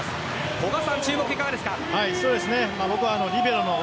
古賀さん、注目いかがですか。